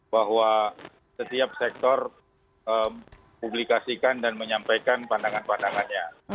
bahwa setiap sektor publikasikan dan menyampaikan pandangan pandangannya